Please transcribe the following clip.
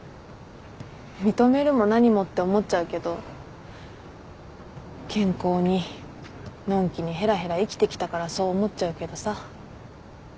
認めるも何もって思っちゃうけど健康にのんきにヘラヘラ生きてきたからそう思っちゃうけどさ。